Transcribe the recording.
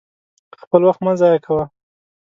خپل وخت مه ضايع کوه!